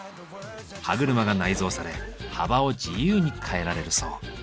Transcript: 歯車が内蔵され幅を自由に変えられるそう。